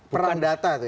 perang data itu ya